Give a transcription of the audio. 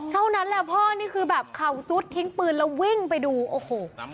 เท่านั้นแหละพ่อนี่คือแบบเข่าซุดทิ้งปืนแล้ววิ่งไปดูโอ้โห